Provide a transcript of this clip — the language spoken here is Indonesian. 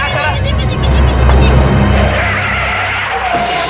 astaghfirullahaladzim ya allah